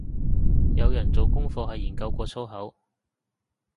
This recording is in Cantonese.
有人做功課係研究過粗口